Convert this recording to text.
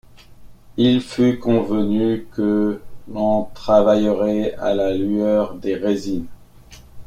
Il fut convenu que l’on travaillerait à la lueur des résines.